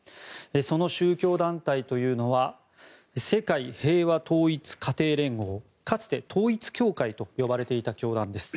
その宗教団体というのは世界平和統一家庭連合かつて統一教会と呼ばれていた教団です。